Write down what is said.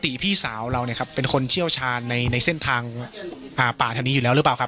พี่สาวเราเนี่ยครับเป็นคนเชี่ยวชาญในเส้นทางป่าทางนี้อยู่แล้วหรือเปล่าครับ